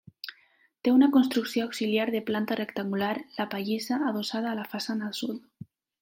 Té una construcció auxiliar de planta rectangular, la pallissa, adossada a la façana sud.